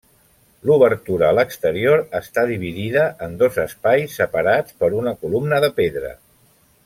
L'obertura a l'exterior està dividida en dos espais separats per una columna de pedra.